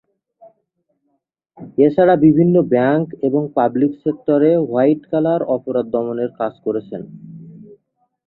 এছাড়া বিভিন্ন ব্যাঙ্ক এবং পাবলিক সেক্টরে হোয়াইট কলার অপরাধ দমনের কাজ করেছেন।